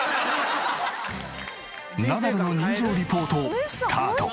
ナダルの人情リポートスタート。